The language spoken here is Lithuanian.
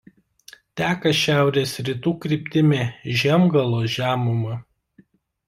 Teka šiaurės rytų kryptimi Žiemgalos žemuma.